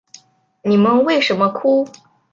你们为什么哭？